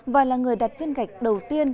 và là người đặt viên gạch đầu tiên